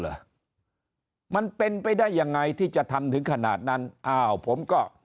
เหรอมันเป็นไปได้ยังไงที่จะทำถึงขนาดนั้นอ้าวผมก็